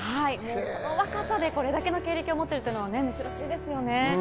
この若さでこの経歴を持っているのは珍しいですよね。